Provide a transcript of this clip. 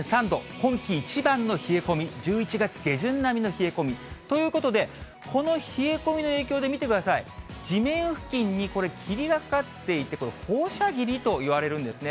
今季一番の冷え込み、１１月下旬並みの冷え込みということで、この冷え込みの影響で見てください、地面付近にこれ、霧がかかっていて、放射霧といわれるんですね。